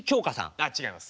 あっ違います。